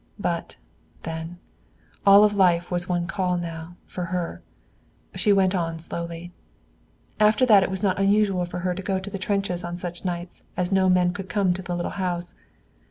But, then, all of life was one call now, for her. She went on slowly. After that it was not unusual for her to go to the trenches, on such nights as no men could come to the little house.